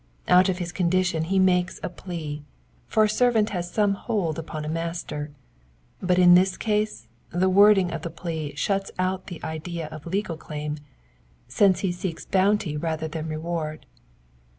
Out of his condition he makes a plea, for a servant has some hold upon a master ; but in this case the wording of the plea shuts out the idsiv of le^l claim, since he seeks bounty rather than reward.